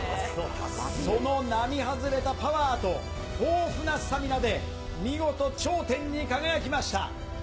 その並外れたパワーと豊富なスタミナで、見事、頂点に輝きました。